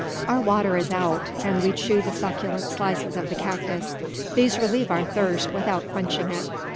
Our water is out, and we chew the succulent slices of the cactus. These relieve our thirst without quenching it.